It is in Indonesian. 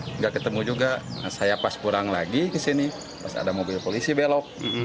tidak ketemu juga saya pas pulang lagi ke sini pas ada mobil polisi belok